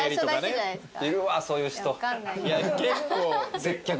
いるわそういう人。